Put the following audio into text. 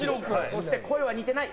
そして、声は似てない。